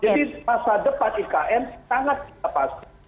jadi masa depan ikn sangat tidak pasti